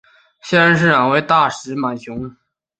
现任市长为大石满雄。